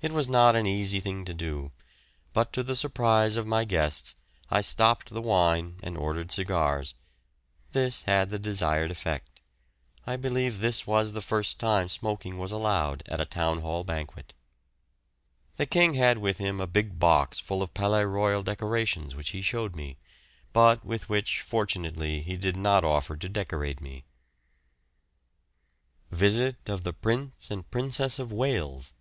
It was not an easy thing to do, but to the surprise of my guests I stopped the wine and ordered cigars; this had the desired effect. I believe this was the first time smoking was allowed at a Town Hall banquet. The King had with him a big box full of Palais Royal decorations which he showed me, but with which, fortunately, he did not offer to decorate me. VISIT OF THE PRINCE AND PRINCESS OF WALES.